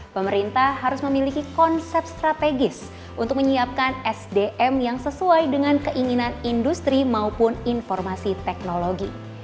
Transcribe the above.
pemerintah harus memiliki konsep strategis untuk menyiapkan sdm yang sesuai dengan keinginan industri maupun informasi teknologi